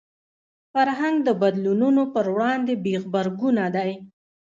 فرهنګ د بدلونونو پر وړاندې بې غبرګونه دی